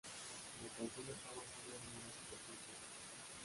La canción está basada en una situación real.